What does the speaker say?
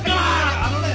あのね